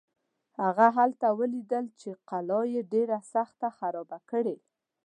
هغه هلته ولیدل چې قلا یې ډېره سخته خرابه کړې.